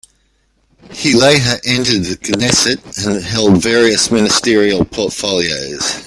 He later entered the Knesset and held various ministerial portfolios.